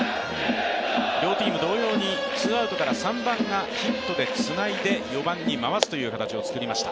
両チーム同様にツーアウトから３番がヒットでつないで４番に回すという形をつくりました